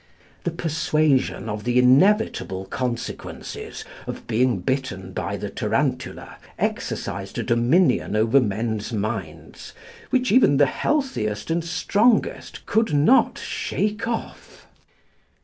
The persuasion of the inevitable consequences of being bitten by the tarantula, exercised a dominion over men's minds which even the healthiest and strongest could not shake off.